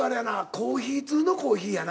コーヒー通のコーヒーやな。